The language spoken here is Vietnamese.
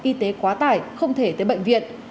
y tế quá tải không thể tới bệnh viện